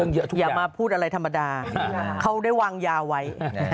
อย่ามาพูดอะไรธรรมดาเขาได้วางยาไว้